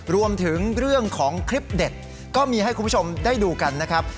รวมถึงเรื่องของคลิปเด็ดก็มีให้คุณผู้ชมได้ดูกันนะครับ